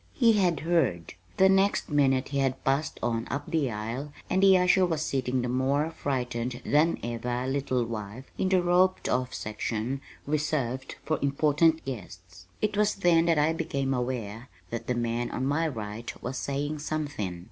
He had heard. The next minute he had passed on up the aisle and the usher was seating the more frightened than ever little wife in the roped off section reserved for important guests. It was then that I became aware that the man on my right was saying something.